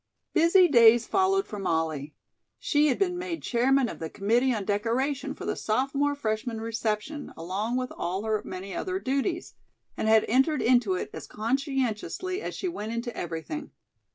Busy days followed for Molly. She had been made chairman of the committee on decoration for the sophomore freshman reception along with all her many other duties, and had entered into it as conscientiously as she went into everything.